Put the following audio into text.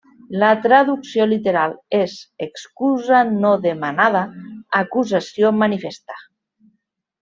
La traducció literal és 'excusa no demanada, acusació manifesta'.